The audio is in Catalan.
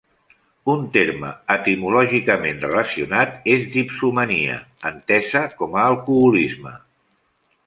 Un terme etimològicament relacionat és dipsomania, entesa com a alcoholisme.